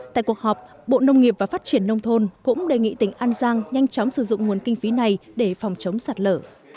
tại cuộc họp bộ nông nghiệp và phát triển nông thôn cũng đề nghị tỉnh an giang nhanh chóng sử dụng nguồn kinh phí này để phòng chống sạt lở